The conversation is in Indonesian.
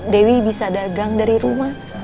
dewi bisa dagang dari rumah